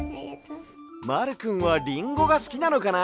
まるくんはリンゴがすきなのかな？